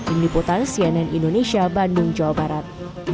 indiputan cnn indonesia bandung jawa barat